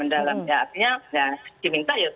dialogkan saja secara mendalam